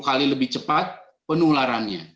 sepuluh kali lebih cepat penularannya